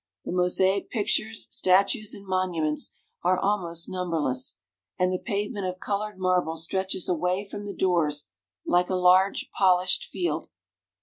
The mosaic pictures, statues, and monuments are almost numberless, and the pavement of colored marble stretches away from the doors like a large polished field.